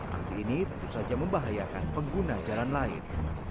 aksi ini tentu saja membahayakan pengguna jalan lain